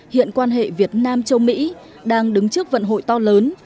hiện quan hệ việt nam châu mỹ đang đứng trước vận hội to lớn